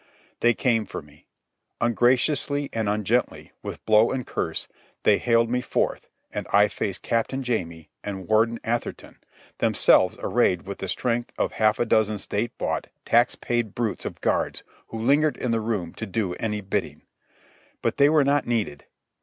They came for me. Ungraciously and ungently, with blow and curse, they haled me forth, and I faced Captain Jamie and Warden Atherton, themselves arrayed with the strength of half a dozen state bought, tax paid brutes of guards who lingered in the room to do any bidding. But they were not needed.